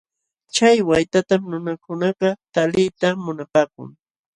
Chay waytatam nunakunakaq taliyta munapaakun.